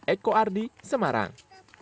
eko ardi semarang